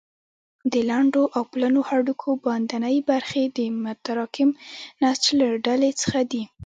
د لنډو او پلنو هډوکو باندنۍ برخې د متراکم نسج له ډلې څخه دي.